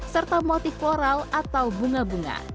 serta motif floral atau bunga bunga